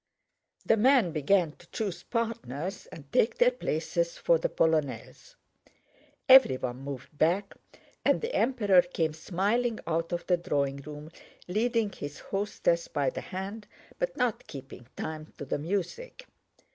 The men began to choose partners and take their places for the polonaise. Everyone moved back, and the Emperor came smiling out of the drawing room leading his hostess by the hand but not keeping time to the music.